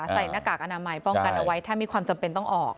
หน้ากากอนามัยป้องกันเอาไว้ถ้ามีความจำเป็นต้องออก